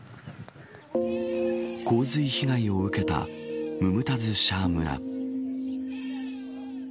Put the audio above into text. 洪水被害を受けたムムタズ・シャー村。